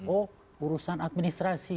oh urusan administrasi